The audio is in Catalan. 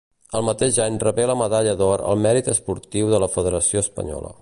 El mateix any rebé la medalla d'or al mèrit esportiu de la federació espanyola.